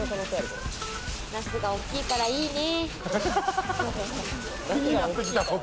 ナスが大きいからいいね。